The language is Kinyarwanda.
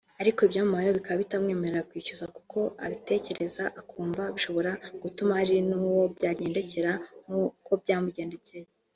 ariko ibyamubayeho bikaba bitamwemerera kwishyuza kuko abitekereza akumva bishobora gutuma hari uwo byagendekera nk’uko byamugendekeye